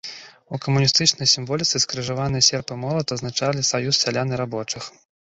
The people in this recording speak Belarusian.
У камуністычнай сімволіцы скрыжаваныя серп і молат азначалі саюз сялян і рабочых.